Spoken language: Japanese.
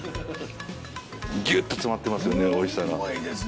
ギュっと詰まってますよねおいしさが。